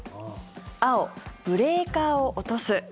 青、ブレーカーを落とす。